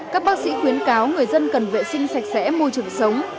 các bác sĩ khuyến cáo người dân cần vệ sinh sạch sẽ môi trường sống